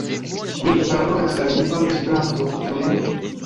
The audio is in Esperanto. Mi parolas la lingvon Esperanto, ĉu ne?